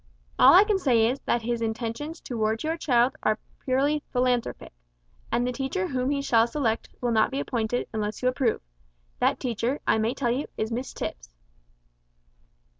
All I can say is, that his intentions towards your child are purely philanthropic, and the teacher whom he shall select will not be appointed, unless you approve. That teacher, I may tell you, is Miss Tipps."